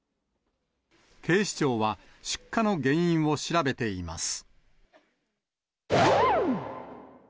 警視庁は、出火の原因を調べています。